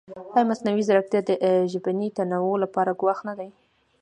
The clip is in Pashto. ایا مصنوعي ځیرکتیا د ژبني تنوع لپاره ګواښ نه دی؟